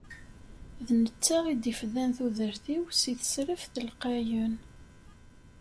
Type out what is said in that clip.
D netta i d-ifdan tudert-iw si tesraft lqayen.